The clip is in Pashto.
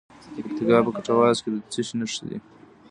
د پکتیکا په کټواز کې د څه شي نښې دي؟